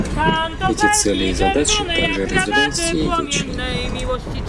Эти цели и задачи также разделяют все ее члены.